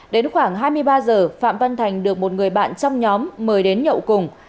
đến khoảng hai mươi ba giờ phạm văn thành được một người bạn trong nhóm mời đến nhậu cùng